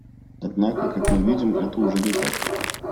Однако, как мы видим, это уже не так.